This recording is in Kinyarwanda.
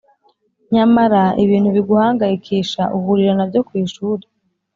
Nyamara ibintu biguhangayikisha uhurira na byo ku ishuri